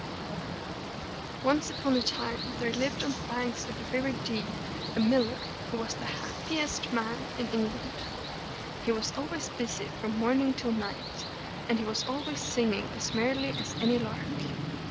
Once upon a time there lived on the banks of the River Dee a miller, who was the hap pi est man in England. He was always busy from morning till night, and he was always singing as merrily as any lark.